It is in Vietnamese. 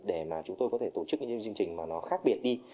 để mà chúng tôi có thể tổ chức những chương trình mà nó khác biệt đi